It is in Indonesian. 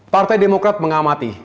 partai demokrat mengamati